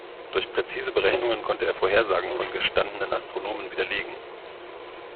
Durch präzise Berechnungen konnte er Vorhersagen von gestandenen Astronomen widerlegen.